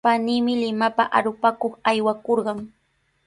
Paniimi Limapa arupakuq aywakurqan.